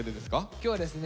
今日はですね